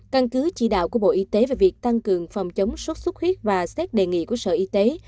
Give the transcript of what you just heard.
căn cứ chỉ đạo của bộ y tế về việc tăng cường phòng chống sốt xuất huyết và xét đề nghị của sở y tế